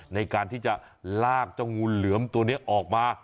ในการที่จะลากเจ้างูเหลือมตัวนี้ออกมา